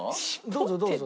どうぞどうぞ。